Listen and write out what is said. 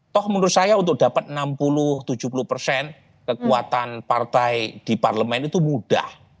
toh menurut saya untuk dapat enam puluh tujuh puluh persen kekuatan partai di parlemen itu mudah